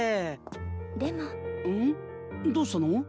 どうしたの？